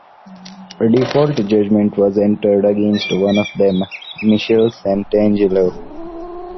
A default judgment was entered against one of them, Michelle Santangelo.